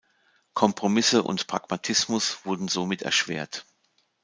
Kompromisse und Pragmatismus wurden somit erschwert.